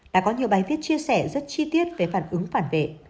đã có nhiều bài viết chia sẻ rất chi tiết về phản ứng phản vệ